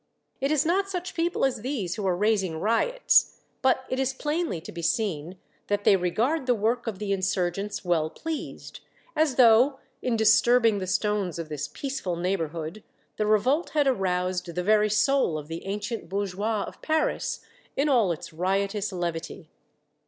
It is not Glimpses of the Insurrection, 105 such people as these who are raising riots, but it is plainly to be seen that they regard the work of the insurgents well pleased, as though, in disturbing the stones of this peaceful neigh borhood, the revolt had aroused the very soul of the ancient bourgeois of Paris in all its riotous levity.